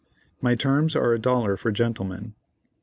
"My terms are a dollar for gentlemen."